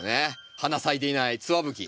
花咲いていないツワブキ。